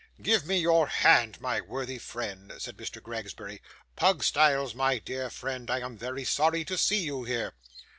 'Give me your hand, my worthy friend,' said Mr. Gregsbury. 'Pugstyles, my dear friend, I am very sorry to see you here.